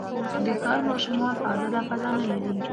د ښار ماشومان ازاده فضا نه لري.